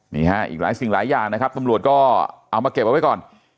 นี่ฮะอีกหลายสิ่งหลายอย่างนะครับตำรวจก็เอามาเก็บเอาไว้ก่อน